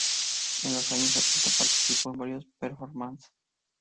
En los años ochenta participó en varias "performances".